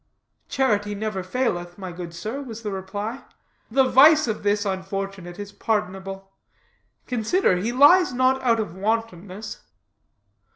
"Charity never faileth, my good sir," was the reply. "The vice of this unfortunate is pardonable. Consider, he lies not out of wantonness."